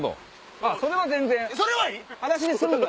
それは全然！